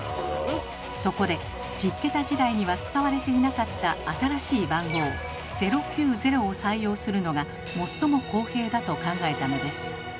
そこで１０桁時代には使われていなかった新しい番号「０９０」を採用するのが最も公平だと考えたのです。